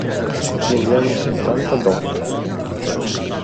Negli anni settanta Dott.